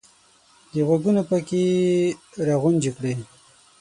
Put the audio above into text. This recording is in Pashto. د غوږونو پکې یې را غونجې کړې !